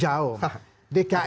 jauh dari jakarta ya